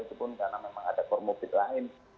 itu pun karena memang ada kormobit lain